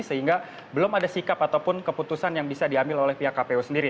sehingga belum ada sikap ataupun keputusan yang bisa diambil oleh pihak kpu sendiri